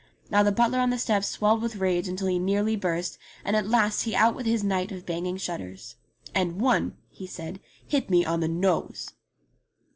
Now the butler on the steps swelled with rage until he nearly burst, and at last he out with his night of banging shutters. "And one," he said, "hit me on the nose."